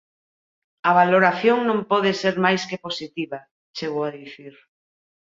"A valoración non pode ser máis que positiva", chegou a dicir.